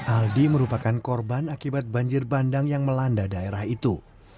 aldi merupakan korban akibat banjir bandang yang melanda daerah itu